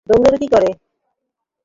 দৌড়াবো কী করে!